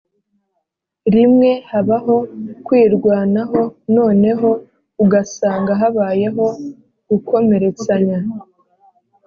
rimwe habaho kwirwanaho noneho ugasanga habayeho gukomeretsanya